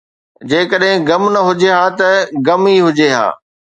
جيڪڏهن غم نه هجي ها ته غم ئي هجي ها